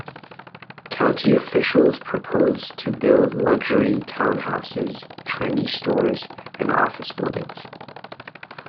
County officials propose to build luxury townhouses, trendy stores, and office buildings.